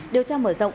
điều tra mở rộng